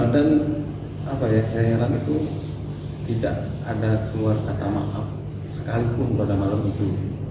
dan saya yang mengalami itu tidak ada keluar kata maaf sekalipun pada malam itu